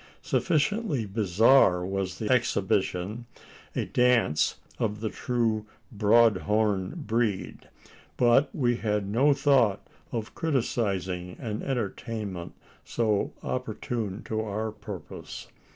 Sufficiently bizarre was the exhibition a dance of the true "broad horn" breed; but we had no thought of criticising an entertainment so opportune to our purpose.